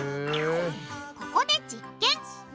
ここで実験！